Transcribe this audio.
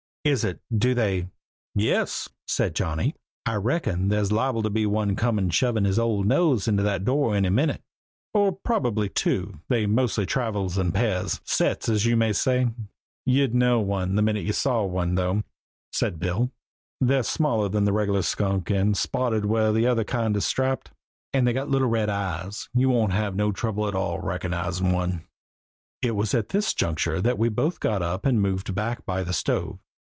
"Is it? Do they?" "Yes," said Johnny. "I reckin there's liable to be one come shovin' his old nose into that door any minute. Or probably two they mostly travels in pairs sets, as you might say." "You'd know one the minute you saw him, though," said Bill. "They're smaller than a regular skunk and spotted where the other kind is striped. And they got little red eyes. You won't have no trouble at all recognizin' one." It was at this juncture that we both got up and moved back by the stove.